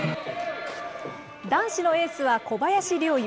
男子のエースは小林陵侑。